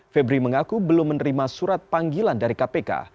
febri mengaku belum menerima surat panggilan dari kpk